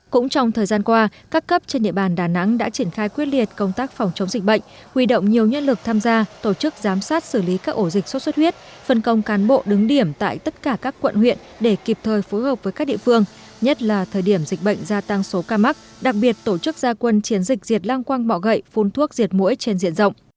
cũng trong thời gian qua các cấp trên địa bàn đà nẵng đã triển khai quyết liệt công tác phòng chống dịch bệnh huy động nhiều nhân lực tham gia tổ chức giám sát xử lý các ổ dịch sốt xuất huyết phân công cán bộ đứng điểm tại tất cả các quận huyện để kịp thời phối hợp với các địa phương nhất là thời điểm dịch bệnh gia tăng số ca mắc đặc biệt tổ chức gia quân chiến dịch diệt lang quang bỏ gậy phun thuốc diệt mũi trên diện rộng